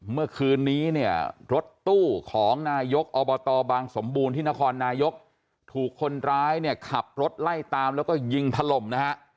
เมื่อคืนนี้เนี่ยรถตู้ของนายกอบตบางสมบูรณ์ที่นครนายกถูกคนร้ายเนี่ยขับรถไล่ตามแล้วก็ยิงถล่มนะฮะ